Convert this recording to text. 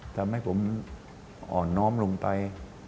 ทำให้ผมอ่อนน้อมลงไป